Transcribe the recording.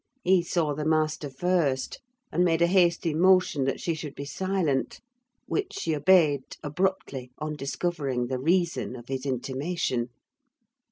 He saw the master first, and made a hasty motion that she should be silent; which she obeyed, abruptly, on discovering the reason of his intimation.